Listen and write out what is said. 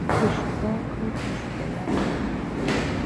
Төшкө аҡыл кискә ярамай.